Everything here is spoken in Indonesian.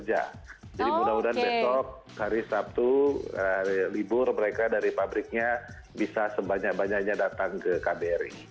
jadi mudah mudahan besok hari sabtu libur mereka dari pabriknya bisa sebanyak banyaknya datang ke kbri